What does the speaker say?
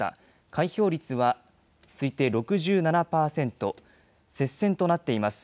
開票率は推定６７％、接戦となっています。